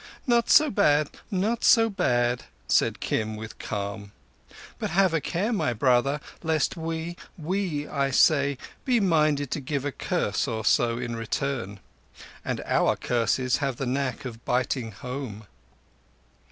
"Not so bad—not so bad," said Kim with calm. "But have a care, my brother, lest we—we, I say—be minded to give a curse or so in return. And our curses have the knack of biting home."